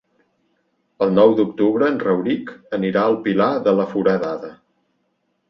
El nou d'octubre en Rauric anirà al Pilar de la Foradada.